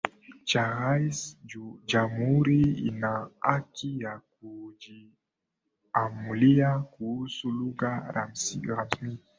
cha rais Jamhuri ina haki ya kujiamulia kuhusu lugha rasmi